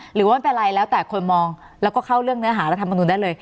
หรือว่าไม่เป็นไรแล้วแต่คนมองแล้วก็เข้าเรื่องเนื้อหารัฐมนุนได้เลย